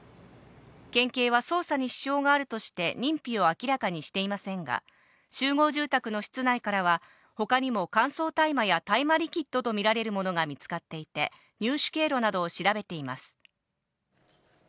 県警は捜査に支障があるとして認否を明らかにしていませんが、集合住宅の室内からは他にも乾燥大麻や大麻リキッドとみられるものが見つかっていて、入手経路などを調べています。